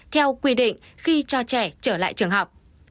theo quy định khi cho trẻ trở lại trường học